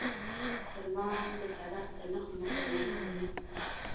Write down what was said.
خرما د زړښت د نښو مخنیوی کوي.